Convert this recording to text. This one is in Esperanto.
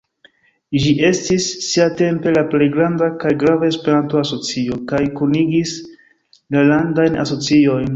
Ĝi estis siatempe la plej granda kaj grava Esperanto-asocio, kaj kunigis la Landajn Asociojn.